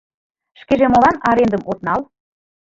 Шкеже молан арендым от нал?